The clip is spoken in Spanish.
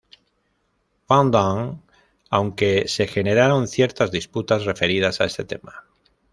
Van Dine, aunque se generaron ciertas disputas referidas a este tema.